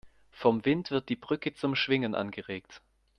Vom Wind wird die Brücke zum Schwingen angeregt.